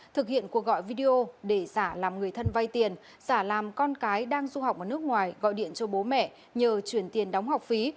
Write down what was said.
thực hiện cuộc gọi video để giả làm người thân vay tiền giả làm con cái đang du học ở nước ngoài gọi điện cho bố mẹ nhờ chuyển tiền đóng học phí